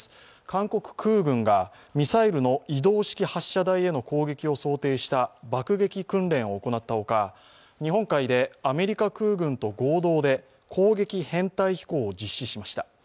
韓国空軍がミサイルの移動式発射台への攻撃を想定した爆撃訓練を行ったほか、日本海でアメリカ空軍と合同で攻撃編隊飛行を実施しました。